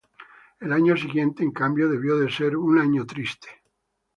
El año siguiente, en cambio, debió ser un año triste.